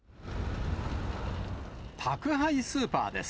宅配スーパーです。